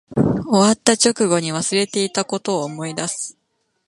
終わった直後に忘れていたことを思い出す